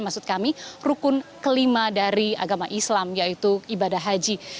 maksud kami rukun kelima dari agama islam yaitu ibadah haji